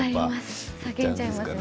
叫んじゃますね。